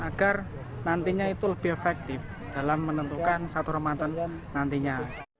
agar nantinya itu lebih efektif dalam menentukan satu ramadan nantinya